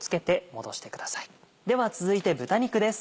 では続いて豚肉です。